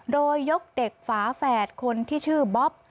โดยยกเด็กฝาแฝดคนที่ชื่อบ๊อบ